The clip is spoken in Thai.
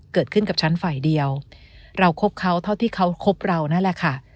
เกิดขึ้นกับฉันฝ่ายเดียวเราคบเขาเท่าที่เขาคบเรานั่นแหละค่ะ